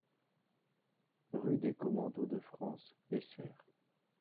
Rue des Commandos de France, Essert